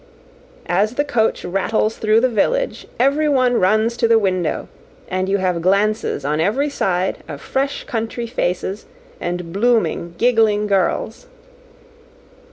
As the coach rattles through the village, every one runs to the window, and you have glances on every side of fresh country faces, and blooming, giggling girls.